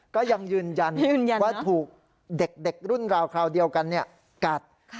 ก็ยังยืนยันว่าถูกเด็กรุ่นราวคราวเดียวกันกัด